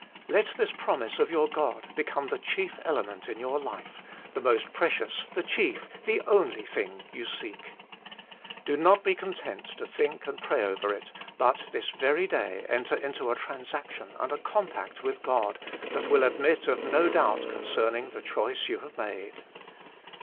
Let this promise of your God become the chief element in your life, the most precious, the chief, the only thing you seek. Do not be content to think and pray over it, but this very day enter into a transaction and a compact with God that will admit of no doubt concerning the choice you have made.